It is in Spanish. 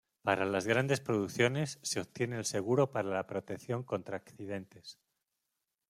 Para las grandes producciones, se obtiene el seguro para la protección contra accidentes.